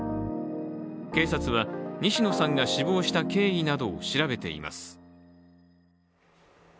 警察は西野さんが死亡した経緯などを調べています。